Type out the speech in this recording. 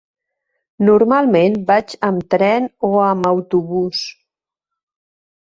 Normalment vaig amb tren o amb autobús.